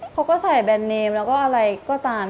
เขาก็ใส่แบรนดเนมแล้วก็อะไรก็ตาม